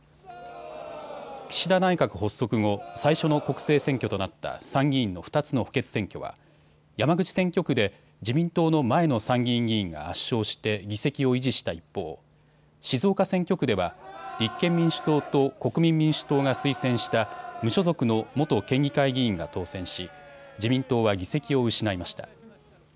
岸田内閣発足後、最初の国政選挙となった参議院の２つの補欠選挙は山口選挙区で自民党の前の参議院議員が圧勝して議席を維持した一方、静岡選挙区では立憲民主党と国民民主党が推薦した無所属の元県議会議員が当選し自民党は議席を失いました。